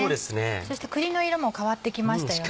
そして栗の色も変わってきましたよね。